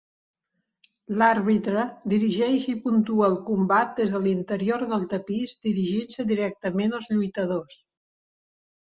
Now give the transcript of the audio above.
L'àrbitre dirigeix i puntua el combat des de l'interior del tapís, dirigint-se directament als lluitadors.